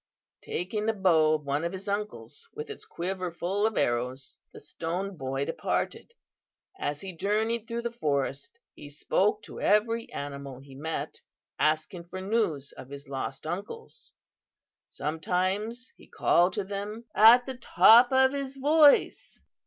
"Taking the bow of one of his uncles, with its quiver full of arrows, the Stone Boy departed. As he journeyed through the forest he spoke to every animal he met, asking for news of his lost uncles. Sometimes he called to them at the top of his voice.